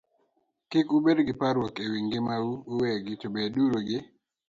"Kik ubed gi parruok e wi ngimau uwegi, to beduru gi